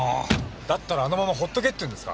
だったらあのまま放っとけって言うんですか。